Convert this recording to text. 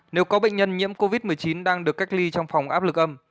nếu có bệnh nhân nhiễm covid một mươi chín đang được cách ly trong phòng áp lực âm